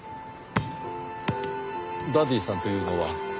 ダディさんというのは？